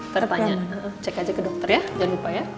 tertanya cek aja ke dokter ya jangan lupa ya